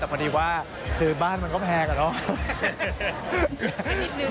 แต่พอดีว่าซื้อบ้านมันก็แพงอะเนาะ